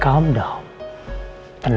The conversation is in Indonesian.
kamu mengajar dia